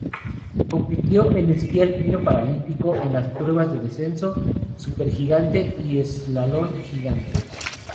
Compitió en esquí alpino paralímpico, en las pruebas de descenso, supergigante y eslalon gigante.